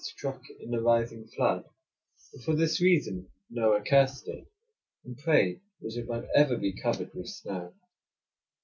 [261 [271 struck in the rising flood; and for this reason Noah cursed it, and prayed that it might ever be covered with snow.